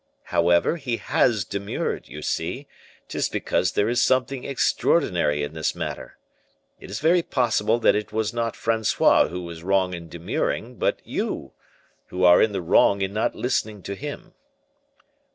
"However, he has demurred, you see; 'tis because there is something extraordinary in this matter. It is very possible that it was not Francois who was wrong in demurring, but you, who are in the wrong in not listening to him."